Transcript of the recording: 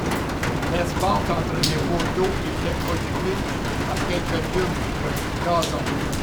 L'espace entre les poteaux était occupé par quelque cubes de gazon.